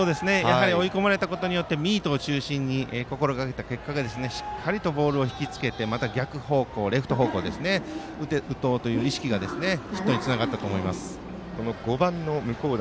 追い込まれたことによってミートを中心に心がけた結果がしっかりとボールをひきつけてまた逆方向、レフト方向に打とうという意識が５番の向段。